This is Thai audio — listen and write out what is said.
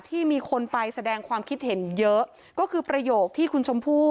ที่มีคนไปแสดงความคิดเห็นเยอะก็คือประโยคที่คุณชมพู่